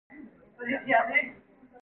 一路上的人，